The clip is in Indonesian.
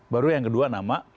baru yang kedua nama